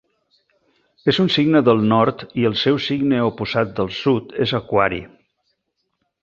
És un signe del nord i el seu signe oposat del sud és aquari.